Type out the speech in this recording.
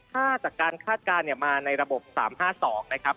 ถ้าจากการคาดการณ์มาในระบบ๓๕๒นะครับ